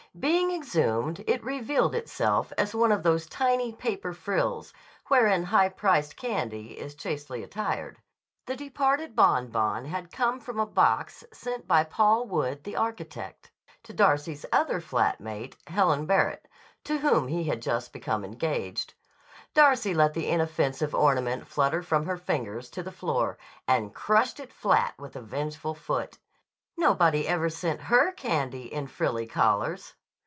Being exhumed, it revealed itself as one of those tiny paper frills wherein high priced candy is chastely attired. The departed bonbon had come from a box sent by Paul Wood, the architect, to Darcy's other flat mate, Helen Barrett, to whom he had just become engaged. Darcy let the inoffensive ornament flutter from her fingers to the floor and crushed it flat with a vengeful foot. Nobody ever sent her candy in frilly collars!